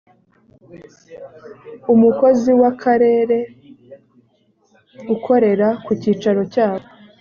umukozi w’akarere ukorera ku cyicaro cyako